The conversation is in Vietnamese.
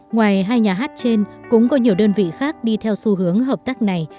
ngoài hai nhà hát trên cũng có nhiều đơn vị khác đi theo xu hướng hợp tác này